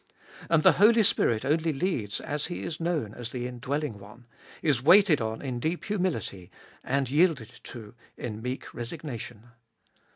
And the Holy Spirit only leads as He is known as the indwelling One, is waited on in deep humility, and yielded to in meek resignation.